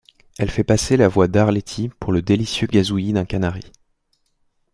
elle fait passer la voix d'Arletty pour le délicieux gazouillis d'un canari.